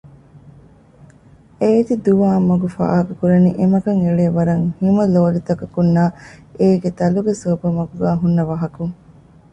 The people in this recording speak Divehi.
އޭތި ދުވާމަގު ފާހަކަކުރަނީ އެމަގަށް އެޅޭ ވަރަށް ހިމަލޯލިތަކަކުންނާ އޭގެ ދަލުގެ ސަބަބުން މަގުގައި ހުންނަ ވަހަކުން